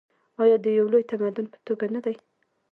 آیا د یو لوی تمدن په توګه نه دی؟